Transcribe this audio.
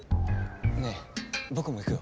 ねえぼくも行くよ。